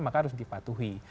maka harus dipatuhi